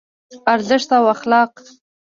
ارزښت او اخلاق